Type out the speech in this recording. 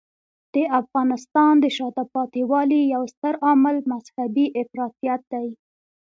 د افغانستان د شاته پاتې والي یو ستر عامل مذهبی افراطیت دی.